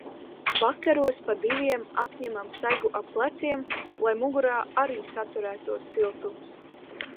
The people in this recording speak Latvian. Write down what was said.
Vakaros pa diviem apņemam segu ap pleciem, lai mugurā arī saturētos siltums.